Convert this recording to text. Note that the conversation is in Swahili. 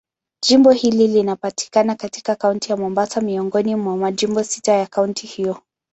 Jimbo hili linapatikana katika Kaunti ya Mombasa, miongoni mwa majimbo sita ya kaunti hiyo.